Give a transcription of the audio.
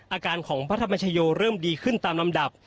อาการของพระธรรมชโยเริ่มดีขึ้นตามลำดับ